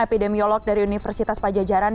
epidemiolog dari universitas pajajaran